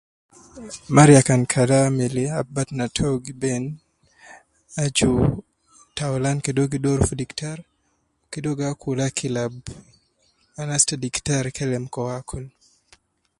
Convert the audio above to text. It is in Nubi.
Mariya kan kala amil al batna to gi beenu, aju kede uwo gi dooru fi diktar, kede uwo akul akil al anas ta diktar kelem kede uwo akul.